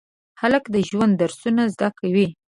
هلک د ژونده درسونه زده کوي.